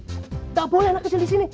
gak boleh anak kecil disini